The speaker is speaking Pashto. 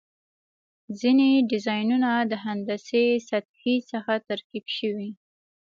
ځینې ډیزاینونه د هندسي سطحې څخه ترکیب شوي.